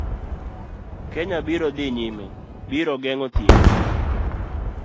Kenya biro dhi nyime, biro geng'o thieth